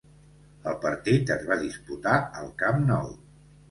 El partit es va disputar al Camp Nou.